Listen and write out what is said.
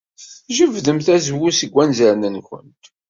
Jebdemt azwu seg wanzaren-nwent.